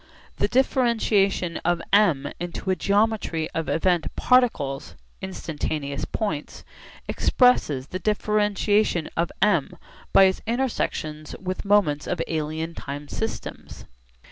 The differentiation of M into a geometry of event particles (instantaneous points) expresses the differentiation of M by its intersections with moments of alien time systems.